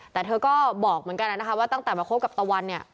แต่เธอก็บอกเหมือนกันนะคะว่าตั้งแต่มาคบกับตะวันเนี่ย